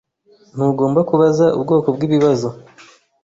Ntugomba kubaza ubwoko bwibibazo.